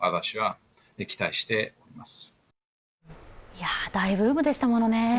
いや、大ブームでしたもんね。